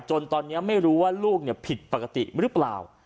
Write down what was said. จนตอนนี้ไม่รู้ว่าลูกผิดปกติหรือเปล่า